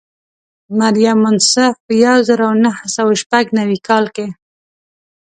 مریم منصف په یو زر او نهه سوه شپږ نوي کال کې.